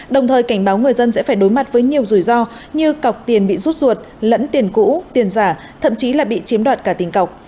đồng thời cảnh báo người dân sẽ phải đối mặt với nhiều rủi ro như cọc tiền bị rút ruột lẫn tiền cũ tiền giả thậm chí là bị chiếm đoạt cả tiền cọc